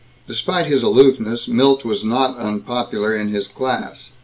Despite his aloofness, Milt was not unpopular in his class.